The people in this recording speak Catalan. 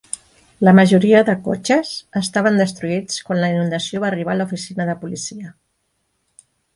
La majoria de cotxes estaven destruïts quan la inundació va arribar a l'oficina de policia.